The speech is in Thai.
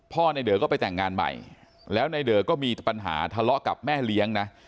ในเดอก็ไปแต่งงานใหม่แล้วในเดอก็มีปัญหาทะเลาะกับแม่เลี้ยงนะ